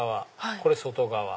これ外側。